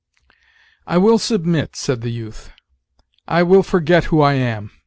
"I will submit," said the youth; "I will forget who I am.